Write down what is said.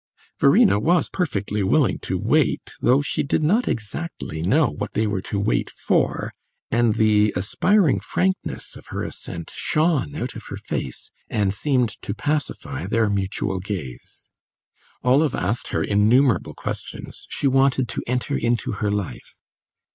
Verena was perfectly willing to wait, though she did not exactly know what they were to wait for, and the aspiring frankness of her assent shone out of her face, and seemed to pacify their mutual gaze. Olive asked her innumerable questions; she wanted to enter into her life.